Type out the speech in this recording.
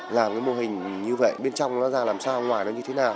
làm cái mô hình như vậy bên trong nó ra làm sao ngoài nó như thế nào